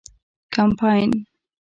کمپاین